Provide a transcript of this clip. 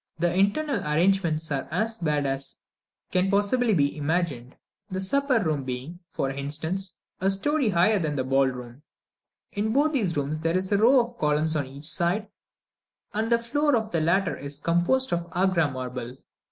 The internal arrangements are as bad as can possibly be imagined; the supper room being, for instance, a story higher than the ball room. In both these rooms there is a row of columns on each side, and the floor of the latter is composed of Agra marble.